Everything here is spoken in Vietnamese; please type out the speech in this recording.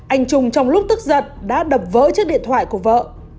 anh trung trong lúc tức giận đã đập vỡ chiếc điện thoại của vợ